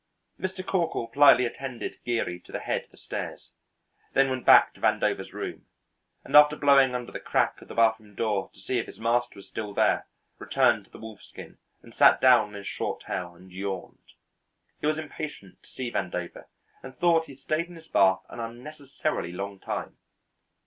Mr. Corkle politely attended Geary to the head of the stairs, then went back to Vandover's room, and after blowing under the crack of the bathroom door to see if his master was still there returned to the wolfskin and sat down on his short tail and yawned. He was impatient to see Vandover and thought he stayed in his bath an unnecessarily long time.